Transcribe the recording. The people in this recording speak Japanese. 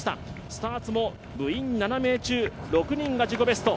スターツも部員７中名６人が自己ベスト。